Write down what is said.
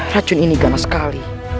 racun ini ganas sekali